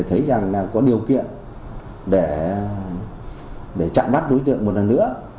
thấy rằng là có điều kiện để chặn bắt đối tượng một lần nữa